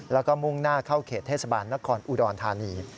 แล้วก็มุ่งหน้าเข้าเขตเทศบาลนครอุดรธานี